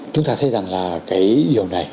chúng ta thấy rằng là